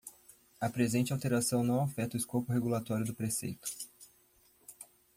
A presente alteração não afeta o escopo regulatório do preceito.